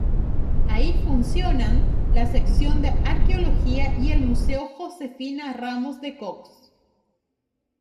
Ahí funcionan la sección de arqueología y el museo "Josefina Ramos de Cox".